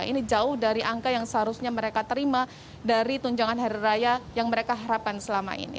ini jauh dari angka yang seharusnya mereka terima dari tunjangan hari raya yang mereka harapkan selama ini